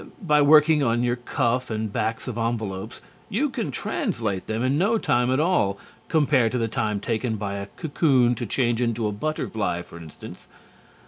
By working on your cuff and backs of envelopes, you can translate them in no time at all compared to the time taken by a cocoon to change into a butterfly, for instance.